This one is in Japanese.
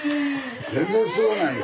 全然すごないよ。